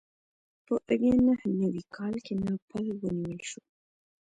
په ویا نهه نوي کال کې ناپل ونیول شو.